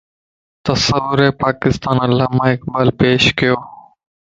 تصورِ پاڪستان علاما اقبال پيش ڪيو